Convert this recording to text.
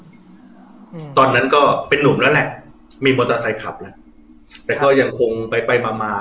อืมตอนนั้นก็เป็นนุ่มแล้วแหละมีมอเตอร์ไซค์ขับแล้วแต่ก็ยังคงไปไปมามา